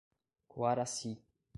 Coaraci